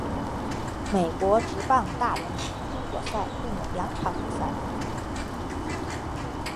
美国职棒大联盟中国赛共有两场比赛。